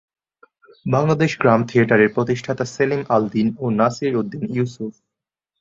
বাংলাদেশ গ্রাম থিয়েটারের প্রতিষ্ঠাতা সেলিম আল দীন ও নাসির উদ্দীন ইউসুফ।